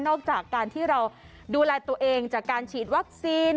จากการที่เราดูแลตัวเองจากการฉีดวัคซีน